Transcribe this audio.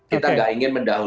kita gak ingin mendahului